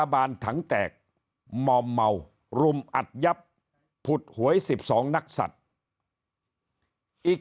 บานถังแตกมอมเมารุมอัดยับผุดหวย๑๒นักศัตริย์อีก